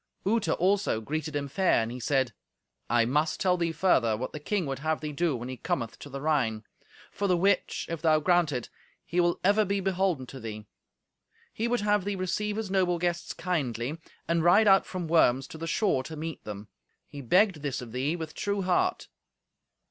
Uta, also, greeted him fair, and he said, "I must tell thee further what the king would have thee do when he cometh to the Rhine; for the which, if thou grant it, he will ever be beholden to thee. He would have thee receive his noble guests kindly, and ride out from Worms to the shore to meet them. He begged this of thee with true heart."